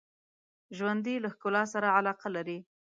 ژوندي له ښکلا سره علاقه لري